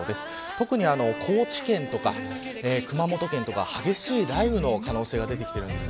特に高知県とか熊本県とか激しい雷雨の可能性が出てきています。